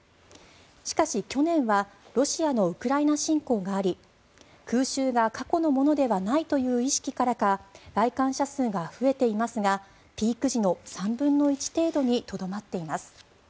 しかし去年はロシアのウクライナ侵攻があり空襲が過去のものではないという意識からか来館者数が増えていますがピーク時の３分の１程度にとどまっています。